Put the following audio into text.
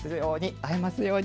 会えますように。